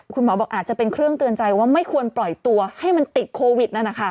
คุณหมอบอกอาจจะเป็นเครื่องเตือนใจว่าไม่ควรปล่อยตัวให้มันติดโควิดนั่นนะคะ